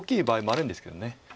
あるんですけど